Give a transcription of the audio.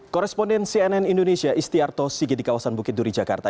koresponden cnn indonesia istiarto sigit di kawasan bukit duri jakarta